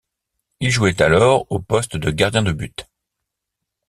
Il jouait alors au poste de gardien de but.